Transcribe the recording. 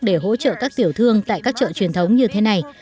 để hỗ trợ các tiểu thương tại các chợ truyền thống như thế này